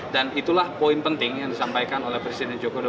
dan itulah poin penting yang disampaikan oleh presiden joko widodo